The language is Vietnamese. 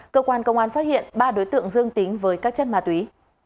cơ quan công an phát hiện ba đối tượng dương tính với các chất ma túy